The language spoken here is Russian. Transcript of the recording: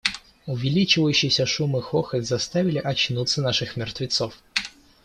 Увеличившийся шум и хохот заставили очнуться наших мертвецов.